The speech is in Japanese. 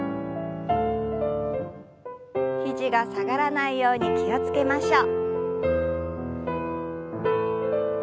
肘が下がらないように気を付けましょう。